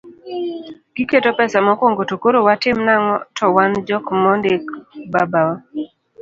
giketo pesa mokuongo to koro watim nang'o to wan jok mondik, baba wa